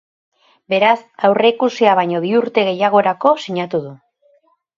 Beraz, aurreikusia baino bi urte gehiagorako sinatu du.